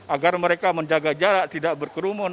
agar mereka menjaga jarak tidak berkerumun